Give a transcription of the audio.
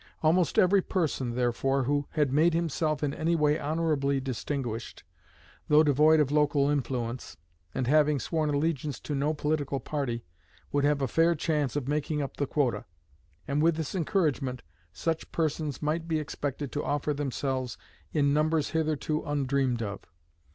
Almost every person, therefore, who had made himself in any way honorably distinguished, though devoid of local influence, and having sworn allegiance to no political party, would have a fair chance of making up the quota, and with this encouragement such persons might be expected to offer themselves in numbers hitherto undreamed of.